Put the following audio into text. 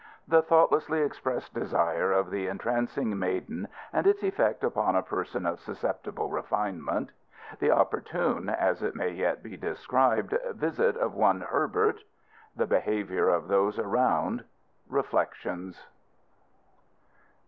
The thoughtlessly expressed desire of the entrancing maiden and its effect upon a person of susceptible refinement. The opportune (as it may yet be described) visit of one Herbert. The behaviour of those around. Reflections.